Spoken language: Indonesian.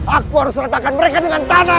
aku harus meletakkan mereka dengan tanah